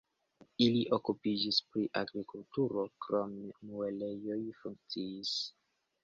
Ili okupiĝis pri agrikulturo, krome muelejoj funkciis.